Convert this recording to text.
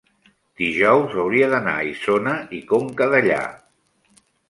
dijous hauria d'anar a Isona i Conca Dellà.